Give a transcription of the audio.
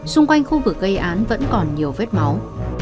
xung quanh khu vực gây án vẫn còn nhiều vết máu